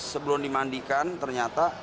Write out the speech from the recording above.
sebelum dimandikan ternyata